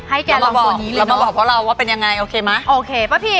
ให้แกลองตัวนี้เลยน่ะเรามาบอกเรามาบอกเพราะเราว่าเป็นยังไงโอเคมั้ยโอเคป้าพิม